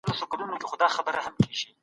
هلمند د ازادۍ او ميړانې تر ټولو لوړ سمبول دی.